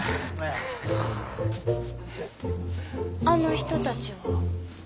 あの人たちは。